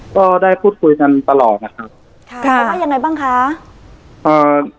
ก็ได้พูดคุยกันตลอดนะครับค่ะเขาว่ายังไงบ้างคะอ่า